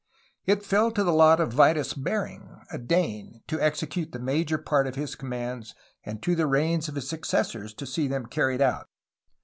It fell to the lot of Vitus Bering, a Dane, to execute the major part of his commands and to the reigns of his successors to see them carried out.